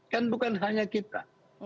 kan bukan hanya kita